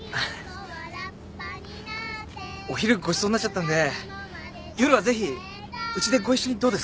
お昼ごちそうになっちゃったんで夜はぜひうちでご一緒にどうですか？